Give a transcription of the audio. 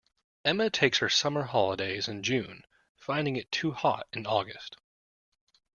Emma takes her summer holidays in June, finding it too hot in August